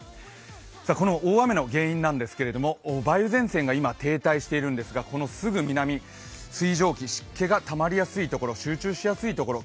この大雨の原因なんですけど梅雨前線が今、停滞しているんですがこのすぐ南水蒸気、湿気がたまりやすいところ集中しやすいところ